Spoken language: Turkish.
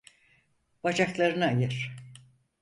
Bacaklarını ayır.